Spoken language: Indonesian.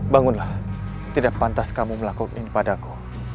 bangunlah tidak pantas kamu melakukan ini padaku